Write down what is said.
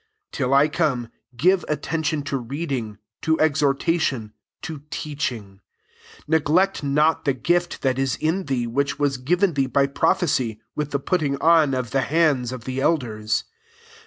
13 Till I come, give attention to reading, to exhor tation, to teaching. 14 Neglect not the gift that is in thee, which was given thee by pro phecy, with the putting on of the hands of the elders.